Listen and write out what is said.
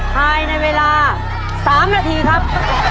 ภายในเวลา๓นาทีครับ